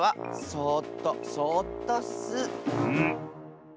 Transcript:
そっとそっと。